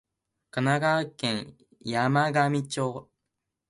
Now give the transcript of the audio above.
神奈川県山北町